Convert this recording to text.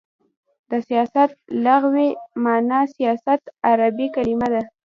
د سیاست لغوی معنا : سیاست عربی کلمه ده.